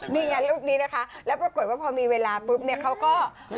นี่ไงรูปนี้นะคะแล้วปรากฏว่าพอมีเวลาปุ๊บเนี่ยเขาก็